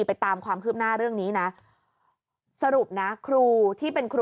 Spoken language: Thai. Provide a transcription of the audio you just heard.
ไปตามความคืบหน้าเรื่องนี้นะสรุปนะครูที่เป็นครู